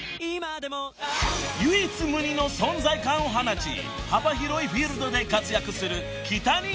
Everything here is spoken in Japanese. ［唯一無二の存在感を放ち幅広いフィールドで活躍する］